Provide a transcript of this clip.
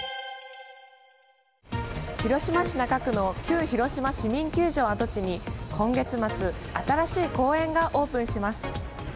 広島市中区の旧広島市民球場跡地に今月末新しい公園がオープンします。